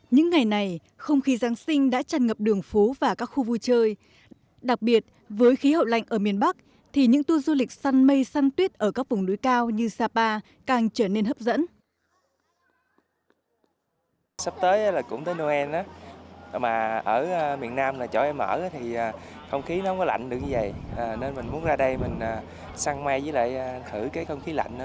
những ngày này không khí giáng sinh đã tràn ngập đường phố và các khu vui chơi đặc biệt với khí hậu lạnh ở miền bắc thì những tour du lịch săn mây săn tuyết ở các vùng núi cao như sapa càng trở nên hấp dẫn